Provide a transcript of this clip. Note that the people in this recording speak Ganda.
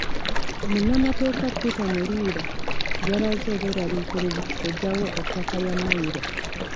Munnamateeka Peter Muliira yalaze obweraliikirivu ku kuggyawo ettaka lya Mmayiro.